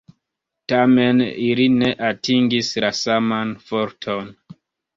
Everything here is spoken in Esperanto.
Tamen, ili ne atingis la saman forton.